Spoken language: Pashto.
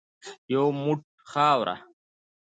یو موټ خاوره .